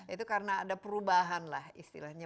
itu karena ada perubahan lah istilahnya